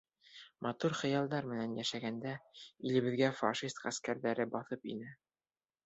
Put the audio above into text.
Матур хыялдар менән йәшәгәндә, илебеҙгә фашист ғәскәрҙәре баҫып инә.